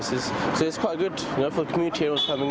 jadi ini cukup bagus untuk komunitas yang datang